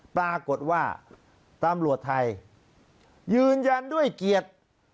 ปรากฏว่าตำรวจไทยยืนยันด้วยเกียรติ